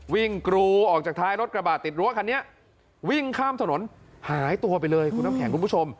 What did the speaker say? วิ่งกรูออกจากท้ายรถกระบะติดรั้วคันนี้วิ่งข้ามถนนหายตัวไปเลยคุณผู้ชม